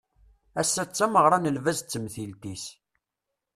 Ass-a d tameɣra n lbaz d temtilt-is.